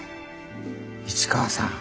市川さん